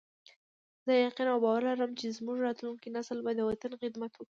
زه یقین او باور لرم چې زموږ راتلونکی نسل به د وطن خدمت وکړي